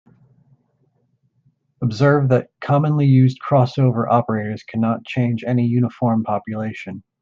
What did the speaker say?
Observe that commonly used crossover operators cannot change any uniform population.